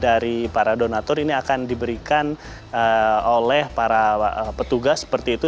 dari para donatur ini akan diberikan oleh para petugas seperti itu